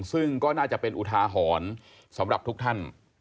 ซึ่งก็น่าจะเป็นอุทาหรณ์สำหรับทุกท่าน